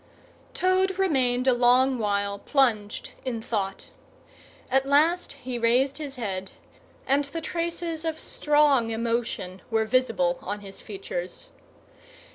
Toad remained a long while plunged in thought. At last he raised his head, and the traces of strong emotion were visible on his features.